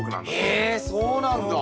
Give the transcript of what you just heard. へえそうなんだ。